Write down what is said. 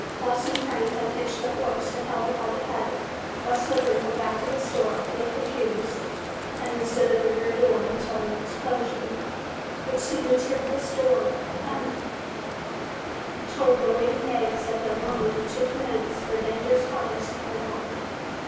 Boston Frank unhitched the horse and held it by the head, while Slippery went back to the store, lit the fuse and then stood at the rear door until an explosion, which seemed to tear the store asunder told the waiting yeggs that the moment to commence their dangerous harvest had arrived.